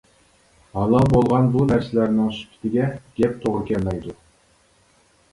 ھالال بولغان بۇ نەرسىلەرنىڭ سۈپىتىگە گەپ توغرا كەلمەيدۇ.